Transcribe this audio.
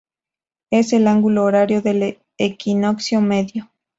Es el ángulo horario del equinoccio medio.